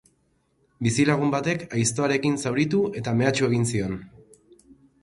Bizilagun batek aiztoarekin zauritu eta mehatxu egin zion.